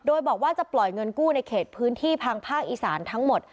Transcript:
โดยบอกว่าจะปล่อยเงินกู้ในเขตพื้นที่ทางภาคอีสานทั้งหมด